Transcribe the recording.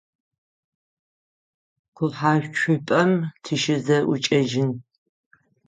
Къухьэуцупӏэм тыщызэӏукӏэжьын.